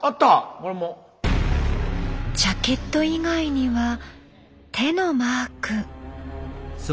ジャケット以外には手のマーク。